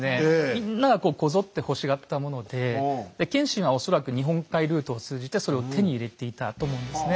みんながこぞって欲しがったもので謙信は恐らく日本海ルートを通じてそれを手に入れていたと思うんですね。